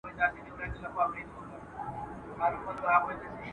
دا د لښتې او انارګل د پخوانۍ او پاکې مینې کیسه وه.